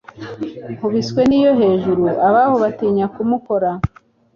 Nk'ukubiswe n'iyo hejuru, abaho batinya kumukora,